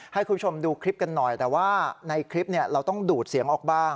ให้คุณผู้ชมดูคลิปกันหน่อยแต่ว่าในคลิปเราต้องดูดเสียงออกบ้าง